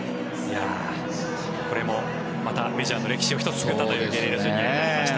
これもまたメジャーの歴史を１つ塗り替えたというゲレーロＪｒ．になりました。